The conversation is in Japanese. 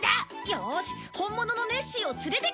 よーし本物のネッシーを連れて来てやる！